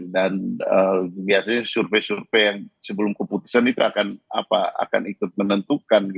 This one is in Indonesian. dan biasanya survei survei yang sebelum keputusan itu akan ikut menentukan